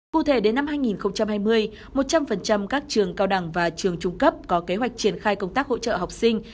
cụ thể đến năm hai nghìn hai mươi một trăm linh các trường cao đẳng và trường trung cấp có kế hoạch triển khai công tác hỗ trợ học sinh